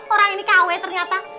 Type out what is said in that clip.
orang ini kawet ternyata